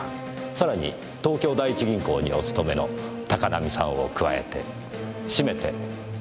さらに東京第一銀行にお勤めの高浪さんを加えてしめて１８人。